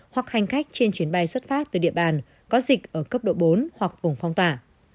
hoặc hành khách trên chuyến bay xuất phát từ địa bàn có dịch ở cấp độ bốn hoặc vùng phong tỏa